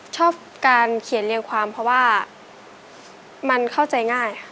ชอบการเขียนเรียงความเพราะว่ามันเข้าใจง่ายค่ะ